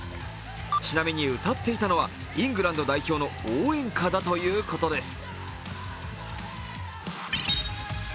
ちなみに歌っていたのはイングランド代表の応援歌だということです。